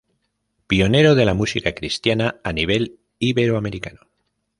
Pionero de la música cristiana a nivel iberoamericano.